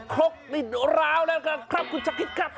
ครบร้าวแล้วกันครับคุณชะกิ๊กครับ